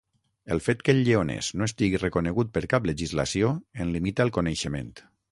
El fet que el lleonès no estigui reconegut per cap legislació en limita el coneixement.